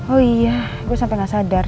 oh iya gue sampai gak sadar